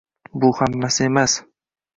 Bu hammasi emas!